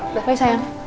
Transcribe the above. udah baik sayang